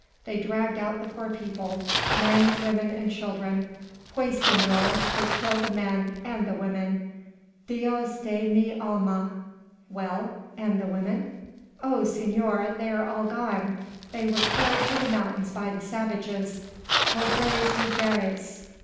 they dragged out the poor people men, women and children! Pues, senor; they kill the men: and the women: Dios de mi alma!" "Well, and the women?" "Oh, senor! they are all gone; they were carried to the mountains by the savages. Pobres mugeres!"